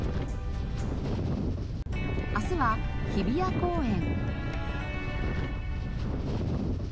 明日は日比谷公園。